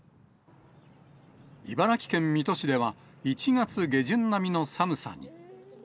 茨城県水戸市では、１月下旬並みの寒さに。